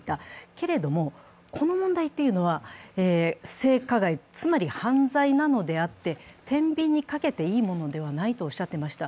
けれどもこの問題は性加害、つまり犯罪なのであって、てんびんにかけていいものではないとおっしゃっていました。